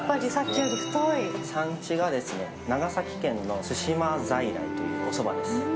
産地が長崎県の対馬在来というおそばです。